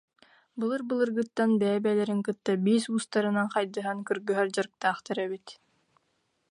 Былыр-былыргыттан бэйэ-бэйэлэрин кытта биис уустарынан хайдыһан кыргыһар дьарыктаахтар эбит